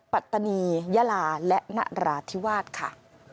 ปัตตานียาลาและนราธิวาสค่ะ